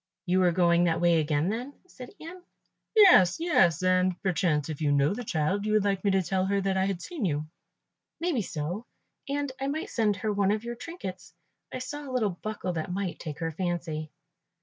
"You are going that way again then?" said Ian. "Yes, yes, and perchance if you know the child, you would like me to tell her that I had seen you." "May be so; and I might send her one of your trinkets. I saw a little buckle that might take her fancy."